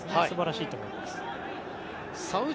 素晴らしいと思います。